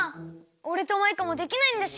おれとマイカもできないんだし。